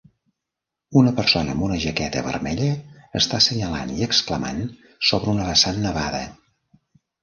Una persona amb una jaqueta vermella està senyalant i exclamant sobre una vessant nevada.